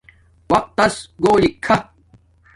وقت تس کھولی کھا